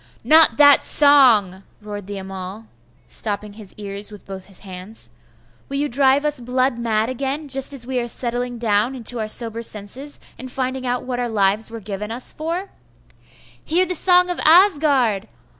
'Not that song!' roared the Amal, stopping his ears with both his hands. 'Will you drive us blood mad again, just as we are settling down into our sober senses, and finding out what our lives were given us for?' 'Hear the song of Asgard!